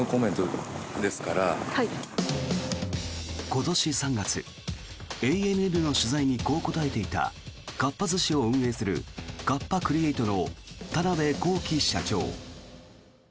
今年３月、ＡＮＮの取材にこう答えていたかっぱ寿司を運営するカッパ・クリエイトの田邊公己社長。